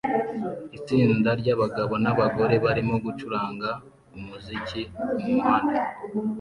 Itsinda ryabagabo nabagore barimo gucuranga umuziki mumuhanda